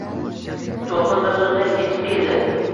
To`lqin bir zumda etib keldi